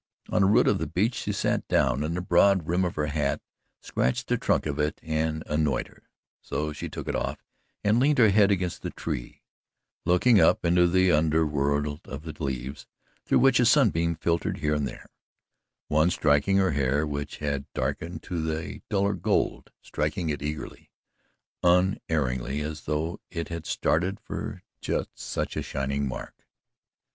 On a root of the beech she sat down and the broad rim of her hat scratched the trunk of it and annoyed her, so she took it off and leaned her head against the tree, looking up into the underworld of leaves through which a sunbeam filtered here and there one striking her hair which had darkened to a duller gold striking it eagerly, unerringly, as though it had started for just such a shining mark.